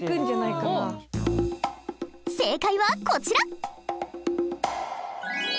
正解はこちら！